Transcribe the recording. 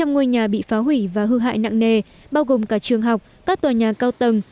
một trăm linh ngôi nhà bị phá hủy và hư hại nặng nề bao gồm cả trường học các tòa nhà cao tầng